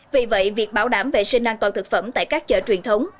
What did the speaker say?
vì vậy việc bảo đảm vệ sinh an toàn thực phẩm tại các chợ truyền thống